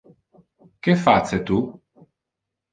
Que face tu?